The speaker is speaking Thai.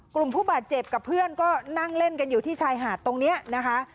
กลุ่มผู้บาดเจ็บกับเพื่อนก็นั่งเล่นกันอยู่ที่ชายหาดตรงนี้นะคะ